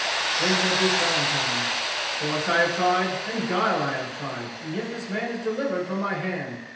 Then said Duke Valentine, "Force I have tried, and guile I have tried, and yet this man is delivered from my hand.